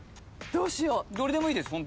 どれでもいいですマジで。